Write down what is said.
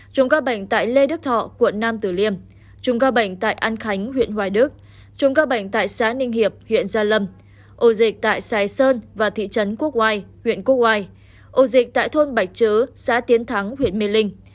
chùm ca bệnh tại lê đức thọ quận nam tử liêm chùm ca bệnh tại an khánh huyện hoài đức chùm ca bệnh tại xã ninh hiệp huyện gia lâm ổ dịch tại xài sơn và thị trấn quốc oai huyện quốc oai ổ dịch tại thôn bạch trứ xã tiến thắng huyện mê linh